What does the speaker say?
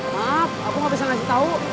maaf aku gak bisa ngasih tahu